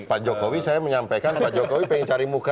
pak jokowi saya menyampaikan pak jokowi pengen cari muka